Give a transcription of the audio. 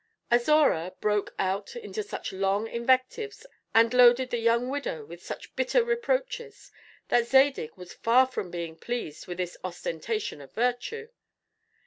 Azora broke out into such long invectives and loaded the young widow with such bitter reproaches, that Zadig was far from being pleased with this ostentation of virtue.